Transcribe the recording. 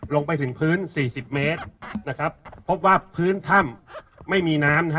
ลงไปถึงพื้นสี่สิบเมตรนะครับพบว่าพื้นถ้ำไม่มีน้ำนะฮะ